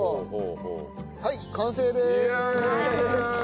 はい完成でーす！